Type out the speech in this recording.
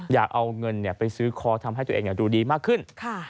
อยากเอาเงินไปซื้อคอทำให้ตัวเองดูดีมากขึ้น